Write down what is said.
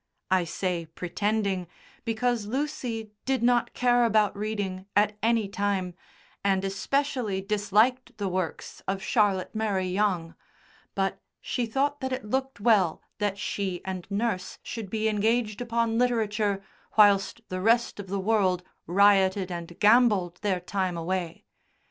I say pretending, because Lucy did not care about reading at any time, and especially disliked the works of Charlotte Mary Yonge, but she thought that it looked well that she and nurse should be engaged upon literature whilst the rest of the world rioted and gambolled their time away.